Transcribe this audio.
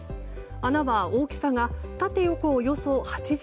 穴は大きさが縦横およそ８０ｃｍ。